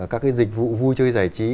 các dịch vụ vui chơi giải trí